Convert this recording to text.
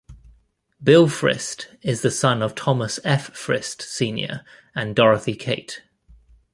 Bill Frist is the son of Thomas F. Frist, Senior and Dorothy Cate.